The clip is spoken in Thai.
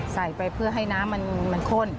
ใส่ไปเพื่อให้น้ำมันข้น